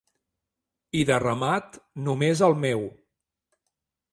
I de ramat, només el meu.